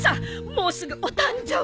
もうすぐお誕生日。